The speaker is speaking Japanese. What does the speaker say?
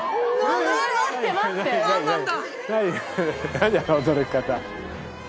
何あの驚き方。